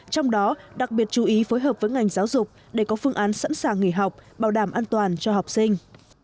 trong đó đặc biệt chú ý phối hợp với ngành giáo dục để có phương án sẵn sàng nghỉ học bảo đảm an toàn cho học sinh